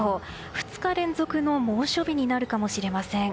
２日連続の猛暑日になるかもしれません。